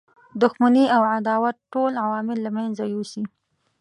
دښمنی او عداوت ټول عوامل له منځه یوسي.